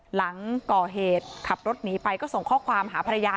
หลังก่อเหตุขับรถหนีไปก็ส่งข้อความหาภรรยา